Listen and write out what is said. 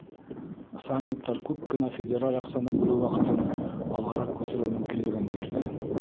Саммиттар күп кенә федераль аҡсаны бүлеү ваҡытын алғараҡ күсереү мөмкинлеген бирҙе.